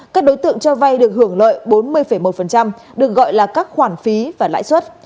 các đối tượng cho vay được hưởng lợi bốn mươi một được gọi là các khoản phí và lãi suất